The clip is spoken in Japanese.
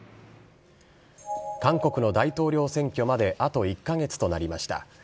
韓国の大統領選挙まであと１か月となりました。